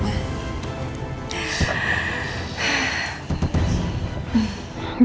ya siap siap